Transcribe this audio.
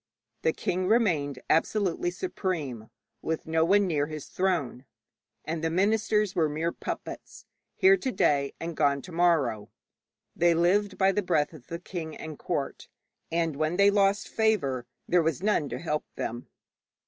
The king remained absolutely supreme, with no one near his throne, and the ministers were mere puppets, here to day and gone to morrow. They lived by the breath of the king and court, and when they lost favour there was none to help them.